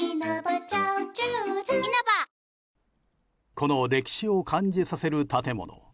この歴史を感じさせる建物。